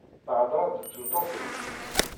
Theḍṛeḍ d tmeṭṭut-ik?